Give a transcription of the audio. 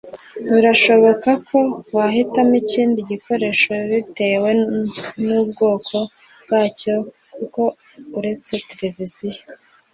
Biranashoboka ko wahitamo ikindi gikoresho bitewe n’ubwoko bwacyo kuko uretse televiziyo